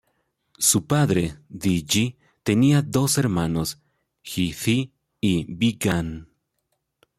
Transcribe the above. Su padre, Di Yi tenía dos hermanos, Ji Zi y Bi Gan.